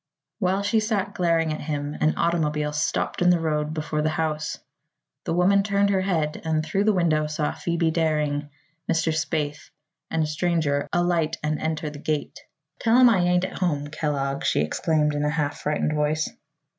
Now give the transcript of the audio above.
While she sat glaring at him an automobile stopped in the road before the house. The woman turned her head and through the window saw Phoebe Daring, Mr. Spaythe and a stranger alight and enter the gate. "Tell 'em I ain't at home, Kellogg," she exclaimed in a half frightened voice.